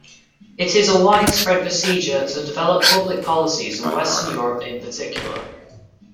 It is a widespread procedure to develop public policies in Western Europe in particular.